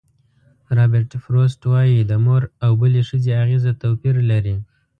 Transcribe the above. رابرټ فروسټ وایي د مور او بلې ښځې اغېزه توپیر لري.